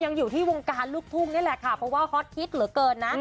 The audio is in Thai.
ยังอยู่ที่วงการลูกทุ่งนี่แหละค่ะเพราะว่าฮอตฮิตเหลือเกินนะ